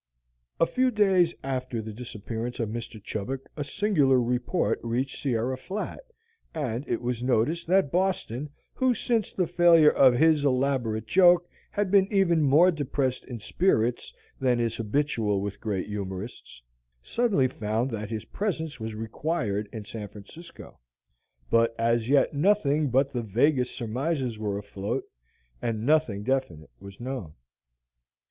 A few days after the disappearance of Mr. Chubbuck a singular report reached Sierra Flat, and it was noticed that "Boston," who since the failure of his elaborate joke had been even more depressed in spirits than is habitual with great humorists, suddenly found that his presence was required in San Francisco. But as yet nothing but the vaguest surmises were afloat, and nothing definite was known.